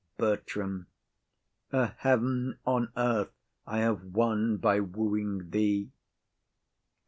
BERTRAM. A heaven on earth I have won by wooing thee.